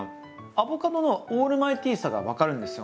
アボカドのオールマイティーさが分かるんですよ。